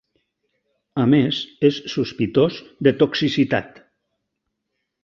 A més, és sospitós de toxicitat.